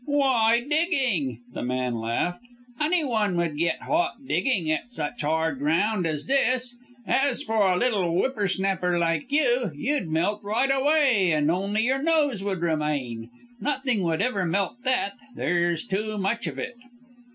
"Why, digging!" the man laughed; "any one would get hot digging at such hard ground as this. As for a little whippersnapper like you, you'd melt right away and only your nose would remain. Nothing would ever melt that there's too much of it."